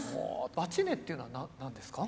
撥音っていうのは何ですか？